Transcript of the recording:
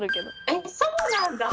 えっそうなんだ！